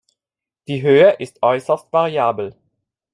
Die Höhe ist äußerst variabel.